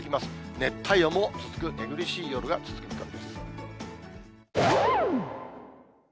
熱帯夜も続く寝苦しい夜が続く見あれ？